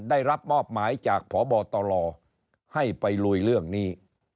ได้รับมอบหมายจากพบตลให้ไปลุยเรื่องนี้